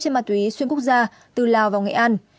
trên ma túy xuyên quốc gia từ lào vào nghệ an